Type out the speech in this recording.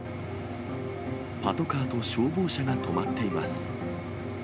パトカーと消防車が止まっています。